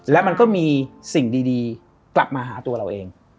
แล้วมันก็มีสิ่งดีกลับมาหาตัวเราเอง